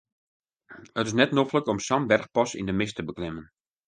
It is net noflik om sa'n berchpas yn de mist te beklimmen.